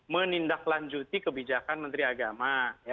menindaklanjuti kebijakan menteri agama